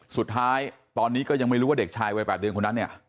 สุดท้ายตอนนี้ก็ยังไม่รู้ว่าเด็กชายวัย๘เดือนคนนั้นเนี่ย